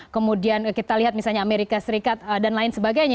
kemudian kita lihat misalnya amerika serikat dan lain sebagainya